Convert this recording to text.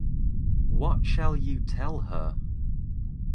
What shall you tell her?